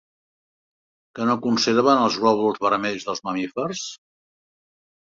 Què no conserven els glòbuls vermells dels mamífers?